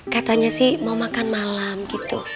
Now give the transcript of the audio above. katanya sih mau makan malam gitu